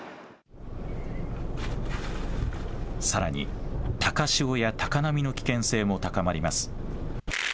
さらに、高潮や高波の危険性も高まります。